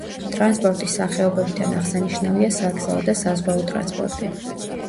ტრანსპორტის სახეობებიდან აღსანიშნავია საგზაო და საზღვაო ტრანსპორტი.